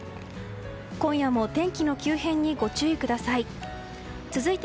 今夜も天気の急変にご注意ください。